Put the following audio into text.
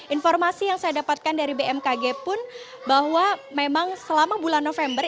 informasi yang saya dapatkan dari bmkg pun bahwa memang selama bulan november